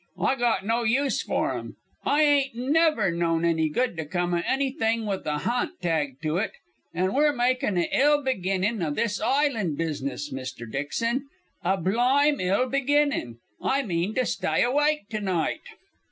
"I got no use for 'em. I ain't never known any good to come o' anything with a ha'nt tagged to it, an' we're makin' a ill beginnin' o' this island business, Mr. Dixon a blyme ill beginnin'. I mean to stye awyke to night."